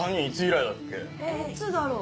いつだろう？